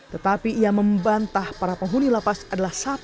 tetapi yang membantah para penghuni lapas adalah sipir